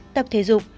tập thể dục